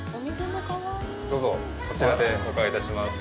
どうぞ、こちらでお伺いいたします。